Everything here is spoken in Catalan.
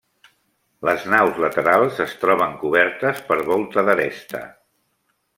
Les naus laterals es troben cobertes per volta d'aresta.